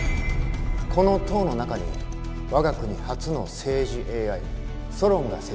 この塔の中に我が国初の政治ＡＩソロンが設置されております。